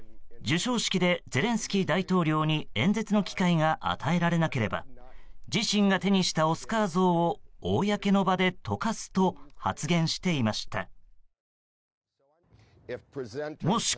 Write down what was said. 授賞式でゼレンスキー大統領に演説の機会が与えられなければ自身が手にしたオスカー像を公の場で溶かすと発言していました。